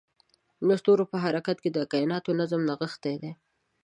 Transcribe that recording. د ستورو په حرکت کې د کایناتو نظم نغښتی دی.